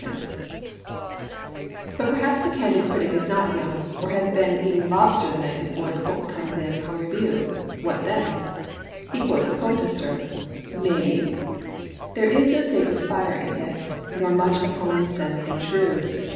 Digitized by VjOOQ IC 5* A* JSattte* xril " But perhaps the candid critic is not young, or has been eating lobster the night before the book conies in for review, what then? He quotes a poetaster, may be — •There is no sacred fire in it, Nor much of homely sense and shrewd.